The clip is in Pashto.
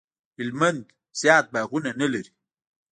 هلمند زیات باغونه نه لري